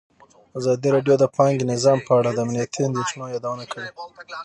ازادي راډیو د بانکي نظام په اړه د امنیتي اندېښنو یادونه کړې.